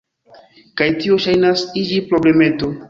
Kaj tio ŝajnas iĝi problemeto.